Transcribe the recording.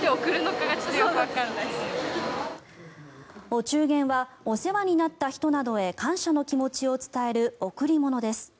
お中元はお世話になった人などへ感謝の気持ちを伝える贈り物です。